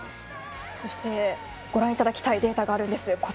そしてご覧いただきたいデータがあります。